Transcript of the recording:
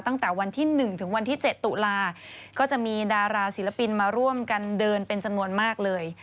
ตั้งแต่วันที่๑ถึงวันที่๗ตุลาก็จะมีดาราศิลปินมาร่วมกันเดินเป็นจำนวนมากเลย